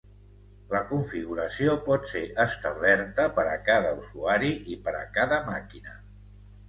La configuració pot ser establerta per a cada usuari i per a cada màquina.